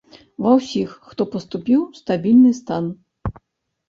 Ва ўсіх, хто паступіў, стабільны стан.